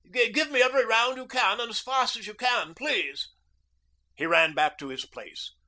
Give me every round you can, and as fast as you can, please.' He ran back to his place.